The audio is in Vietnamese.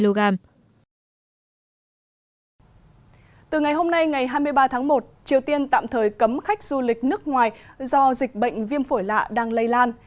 từ ngày hôm nay ngày hai mươi ba tháng một triều tiên tạm thời cấm khách du lịch nước ngoài do dịch bệnh viêm phổi lạ đang lây lan